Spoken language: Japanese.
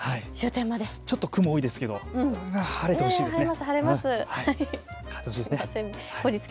ちょっと雲、多いですけど晴れてほしいですね。